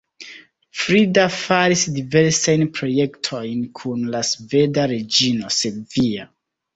Frida faris diversajn projektojn kun la sveda reĝino Silvia.